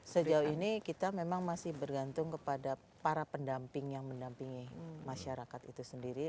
sejauh ini kita memang masih bergantung kepada para pendamping yang mendampingi masyarakat itu sendiri